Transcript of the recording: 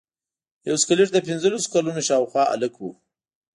یو سکلیټ د پنځلسو کلونو شاوخوا هلک و.